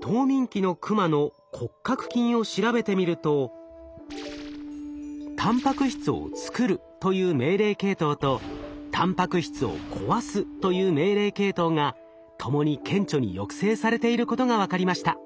冬眠期のクマの骨格筋を調べてみるとたんぱく質をつくるという命令系統とたんぱく質を壊すという命令系統がともに顕著に抑制されていることが分かりました。